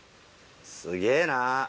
すげぇな。